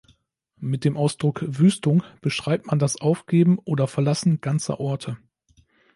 Mit dem Ausdruck „Wüstung“ beschreibt man das Aufgeben oder Verlassen ganzer Orte.